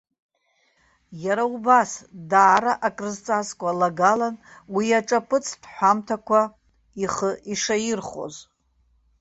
Иара убас, даара акрызҵазкуа лагалан уи аҿаԥыцтә ҳәамҭақәа ихы ишаирхәоз.